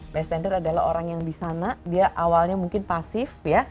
bystander adalah orang yang di sana dia awalnya mungkin pasif ya